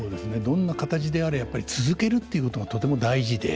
どんな形であれやっぱり続けるっていうことがとても大事で。